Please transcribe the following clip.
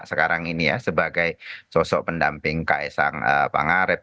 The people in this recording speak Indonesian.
yang sepopuler erina sekarang ini sebagai sosok pendamping ka esang pangarep